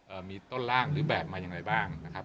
มีต้นร่างหรือแบบมาอย่างไรบ้างนะครับ